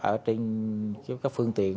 ở trên các phương tiện